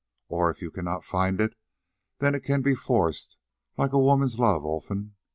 Or if you cannot find it, then it can be forced—like a woman's love, Olfan.